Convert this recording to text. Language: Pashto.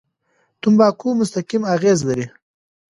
تمباکو مستقیم اغېز لري.